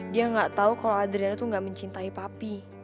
dia gak tau kalau adriana tuh gak mencintai papi